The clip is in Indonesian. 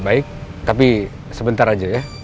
baik tapi sebentar aja ya